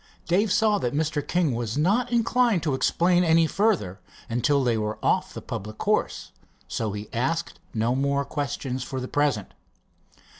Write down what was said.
Dave saw that Mr. King was not inclined to explain any further until they were off the public course, so he asked no more questions, for the present.